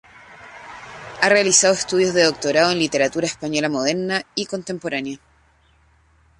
Ha realizado estudios de doctorado en Literatura Española Moderna y Contemporánea.